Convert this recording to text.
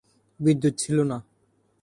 বিদ্যুৎ ছিল না।